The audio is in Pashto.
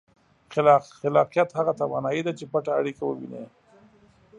خلاقیت هغه توانایي ده چې پټه اړیکه ووینئ.